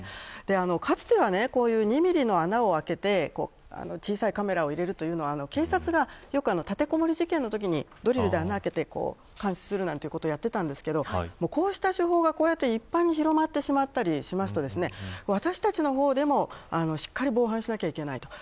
かつては、２ミリの穴を開けて小さいカメラを入れるというのは、警察がよく、たてこもり事件のときにドリルで穴を開けて監視することをやっていましたがこうした情報が一般に広まってしまったりしますと私たちの方でもしっかり防犯しなければいけない。